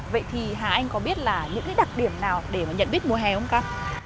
vậy thì hà anh có biết là những cái đặc điểm nào để mà nhận biết mùa hè không ạ